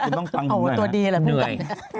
คุณต้องตั้งหูนะครับโอ้โฮตัวดีแหละพูดกันนะ